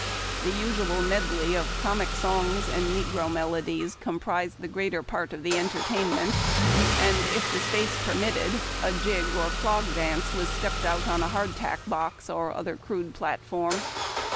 The usual medley of comic songs and negro melodies comprised the greater part of the entertainment, and, if the space admitted, a jig or clog dance was stepped out on a hard tack box or other crude platform.